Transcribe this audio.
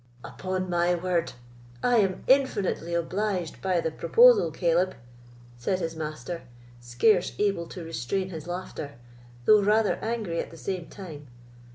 "Upon my word, I am infinitely obliged by the proposal, Caleb," said his master, scarce able to restrain his laughter, though rather angry at the same time.